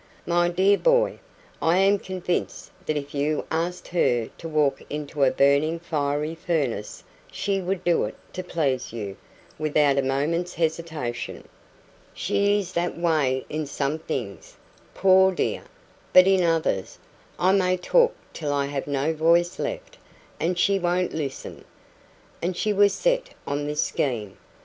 "My dear boy, I am convinced that if you asked her to walk into a burning fiery furnace, she would do it to please you, without a moment's hesitation." "She is that way in some things, poor dear; but in others I may talk till I have no voice left, and she won't listen. And she was set on this scheme.